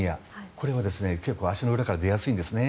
これは結構足の裏から出やすいんですね。